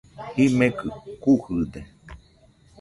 Jimekɨ kujɨde.